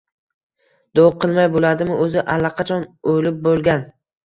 — Do‘q qilmay bo‘ladimi? O’zi, allaqachon o‘lib bo‘lgan.